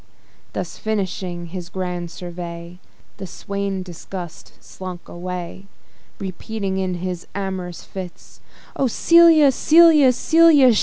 Thus finishing his grand survey, Disgusted Strephon slunk away; Repeating in his amorous fits, "Oh! Celia, Celia, Celia sh